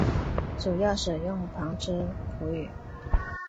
主要使用旁遮普语。